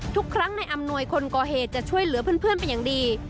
ทุกครั้งในอำนวยคนก่อเหตุจะช่วยเหลือเพื่อนเป็นอย่างดี